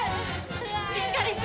しっかりして！